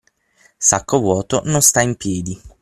Sacco vuoto non sta in piedi.